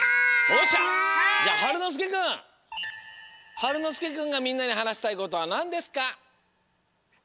はるのすけくんがみんなにはなしたいことはなんですか？